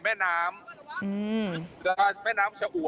บ้านในอ่าว